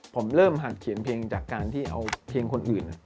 ผมเริ่มหัดเขียนเพลงจากการที่เอาเพลงคนอื่น